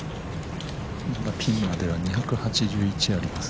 ピンまでは２８８あります。